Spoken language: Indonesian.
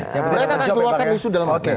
mereka keluarkan isu dalam hal ini